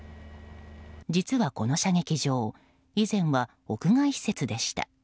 実はこの射撃場以前は屋外施設でした。